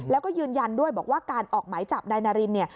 แล้วก็ยืนยันด้วยบอกว่าการออกหมายจับนายนารินเนี่ย